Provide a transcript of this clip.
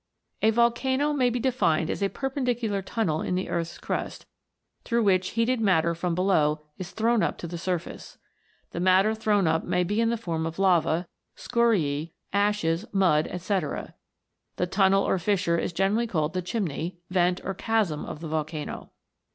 A volcano may be defined as a perpendicular tunnel in the earth's crust, through which heated matter from below is thrown up to the surface. The matter thrown up may be in the form of lava, scoriae, ashes, mud, &c. The tunnel or fissure is generally called the chimney, vent, or chasm of the volcano.